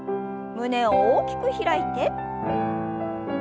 胸を大きく開いて。